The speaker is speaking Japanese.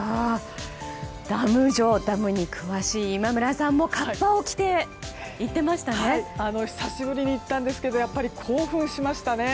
ダム女ダムに詳しい今村さんも久しぶりに行ったんですがやっぱり興奮しましたね。